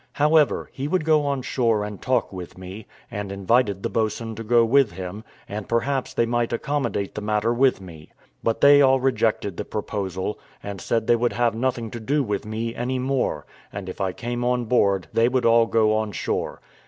However, he would go on shore and talk with me, and invited the boatswain to go with him, and perhaps they might accommodate the matter with me. But they all rejected the proposal, and said they would have nothing to do with me any more; and if I came on board they would all go on shore.